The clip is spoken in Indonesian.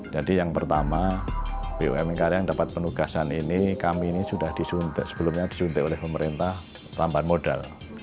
jadi yang pertama bumn karya yang mendapat penugasan ini kami ini sudah disuntik sebelumnya disuntik oleh pemerintah tanpa modal